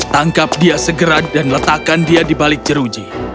tangkap dia segera dan letakkan dia di balik jeruji